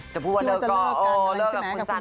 จะพูดว่าจะเลิกกันกันใช่ไหมกับคุณฟัน